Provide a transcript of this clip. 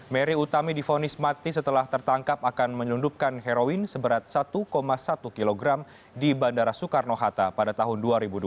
mary utami difonis mati setelah tertangkap akan menyelundupkan heroin seberat satu satu kg di bandara soekarno hatta pada tahun dua ribu dua belas